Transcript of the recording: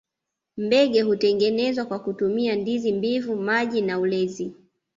Mbege hutengenezwa kwa kutumia ndizi mbivu maji na ulezi